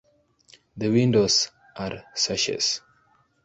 The windows are sashes.